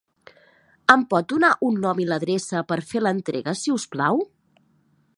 Em pots donar un nom i l'adreça per fer l'entrega, si us plau?